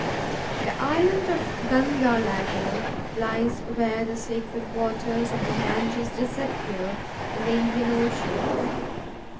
The island of Ganga Lagor lies where the sacred waters of the Ganges disappear in the Indian Ocean.